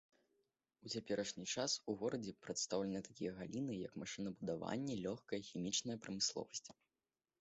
У цяперашні час у горадзе прадстаўлены такія галіны, як машынабудаванне, лёгкая, хімічная прамысловасць.